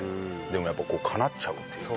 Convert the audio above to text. でもやっぱこうかなっちゃうっていう。